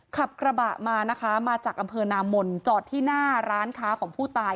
ขับกระบะมานะคะมาจากอำเภอนามนจอดที่หน้าร้านค้าของผู้ตาย